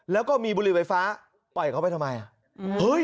แล้วก็มีบุหรี่ไฟฟ้าปล่อยเขาไปทำไม